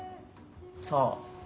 そう。